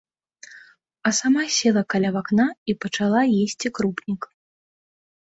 А сама села каля вакна і пачала есці крупнік.